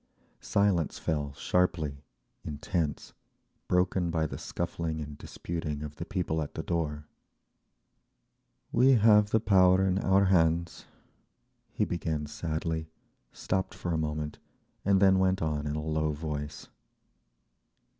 Silence fell sharply, intense, broken by the scuffling and disputing of the people at the door…. "We have the power in our hands," he began sadly, stopped for a moment, and then went on in a low voice.